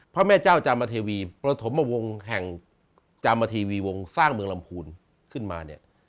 พระแม่เจ้าจามเทวีประถมวงแห่งจามเทวีวงสร้างเมืองลำพูนขึ้นมาเนี่ย